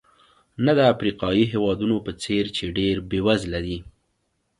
نه د افریقایي هېوادونو په څېر چې ډېر بېوزله دي.